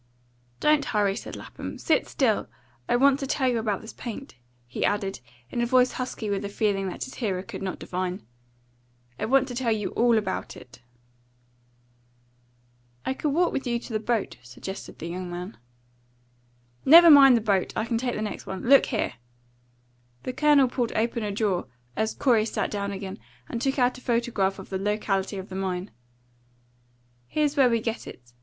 "Don't hurry," said Lapham. "Sit still! I want to tell you about this paint," he added, in a voice husky with the feeling that his hearer could not divine. "I want to tell you ALL about it." "I could walk with you to the boat," suggested the young man. "Never mind the boat! I can take the next one. Look here!" The Colonel pulled open a drawer, as Corey sat down again, and took out a photograph of the locality of the mine. "Here's where we get it.